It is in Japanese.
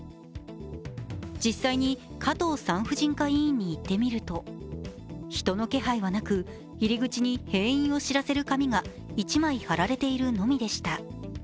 実際に加藤産婦人科医院に行ってみると人の気配はなく入り口に閉院を知らせる紙が１枚貼られているのみでした。